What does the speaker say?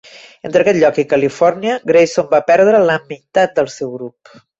Entre aquest lloc i Califòrnia, Grayson va perdre la meitat del seu grup.